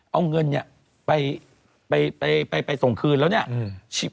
เอาเงินไปส่งคืนแล้วเนี่ย